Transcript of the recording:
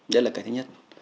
đó là cái thứ nhất